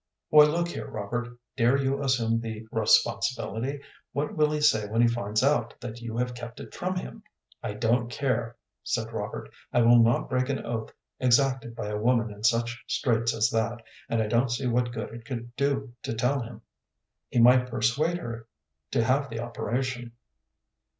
"Why, look here, Robert, dare you assume the responsibility? What will he say when he finds out that you have kept it from him?" "I don't care," said Robert. "I will not break an oath exacted by a woman in such straits as that, and I don't see what good it could do to tell him." "He might persuade her to have the operation."